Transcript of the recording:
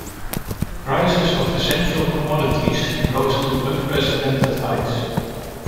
Prices of essential commodities rose to unprecedented heights.